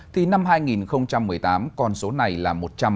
thì năm hai nghìn một mươi tám con số này là một trăm hai mươi